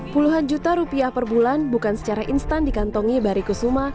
puluhan juta rupiah per bulan bukan secara instan dikantongi bari kusuma